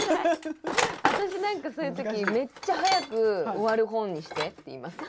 私なんかそういう時「めっちゃ早く終わる本にして」って言います。